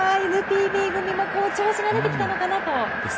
ＮＰＢ組も調子が出てきたのかなと。